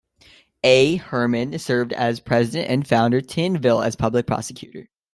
A. Herman served as president and Fouquier-Tinville as public prosecutor.